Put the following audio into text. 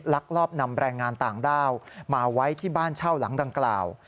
ลักลอบนำแรงงานต่างด้าวมาไว้ที่บ้านเช่าหลังดังกล่าว